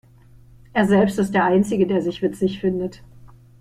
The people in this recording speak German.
Er selbst ist der Einzige, der sich witzig findet.